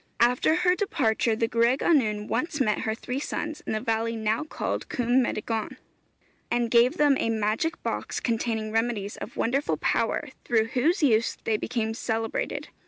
After her departure, the gwraig annwn once met her three sons in the valley now called Cwm Meddygon, and gave them a magic box containing remedies of wonderful power, through whose use they became celebrated.